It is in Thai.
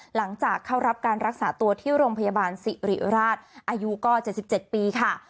หลังจากเข้ารับการรักษาตัวที่โรงพยาบาลสิริราชอายุก็๗๗ปีค่ะ